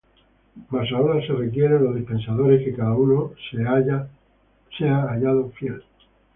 Mas ahora se requiere en los dispensadores, que cada uno sea hallado fiel.